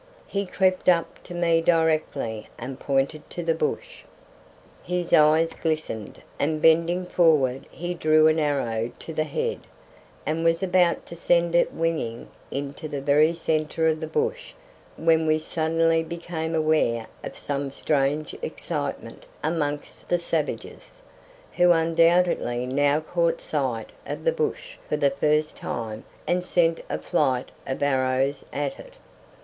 He crept up to me directly and I pointed to the bush. His eyes glistened, and bending forward he drew an arrow to the head, and was about to send it winging into the very centre of the bush when we suddenly became aware of some strange excitement amongst the savages, who undoubtedly now caught sight of the bush for the first time and sent a flight of arrows at it.